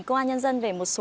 công an nhân dân về môi chùa